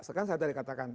sekarang saya tadi katakan